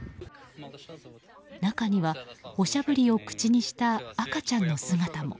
中にはおしゃぶりを口にした赤ちゃんの姿も。